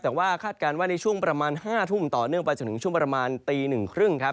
แต่ว่าคาดการณ์ว่าในช่วงประมาณ๕ทุ่มต่อเนื่องไปจนถึงช่วงประมาณตี๑๓๐ครับ